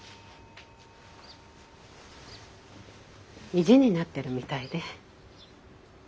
意地になってるみたいで。